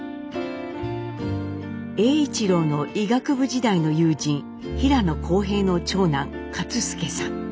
栄一郎の医学部時代の友人平野康平の長男勝介さん。